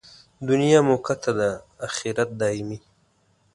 دنیا موقته ده، اخرت دایمي.